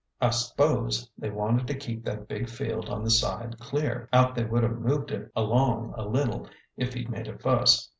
I s'pose they wanted to keep that big field on the side clear ; but they would have moved it along a little if he'd made a fuss.